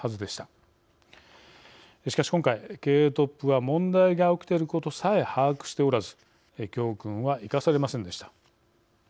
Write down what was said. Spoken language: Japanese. しかし今回経営トップは問題が起きていることさえ把握しておらず教訓は生かされませんでした。